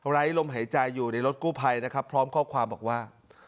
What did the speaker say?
ลมหายใจอยู่ในรถกู้ภัยนะครับพร้อมข้อความบอกว่า